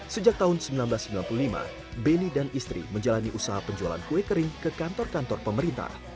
sejak tahun seribu sembilan ratus sembilan puluh lima beni dan istri menjalani usaha penjualan kue kering ke kantor kantor pemerintah